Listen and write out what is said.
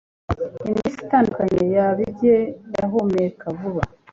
iminsi itandukanye yaba ibye. yahumeka vuba